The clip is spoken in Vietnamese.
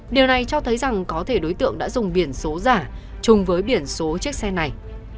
điều này cho thấy rằng có thể đối tượng đã dùng biển số giả chung với biển số chiếc xe này